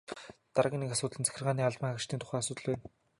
Дараагийн нэг асуудал нь захиргааны албан хаагчдын тухай асуудал байна.